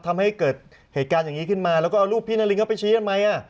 ทำให้เกิดเหตุการณ์อย่างนี้ขึ้นมาแล้วก็เอารูปพี่นารินเข้าไปชี้กันไหม